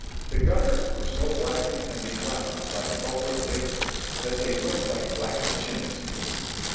The gunners were so blackened and begrimed by the sulphurous vapor, that they looked Hke blackest chimney sweeps.